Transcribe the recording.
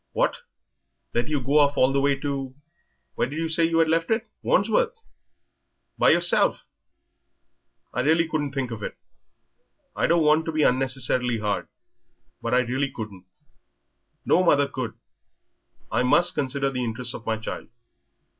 "What! let you go off all the way to where did you say you had left it Wandsworth? by yourself! I really couldn't think of it. I don't want to be unnecessarily hard but I really couldn't no mother could. I must consider the interests of my child.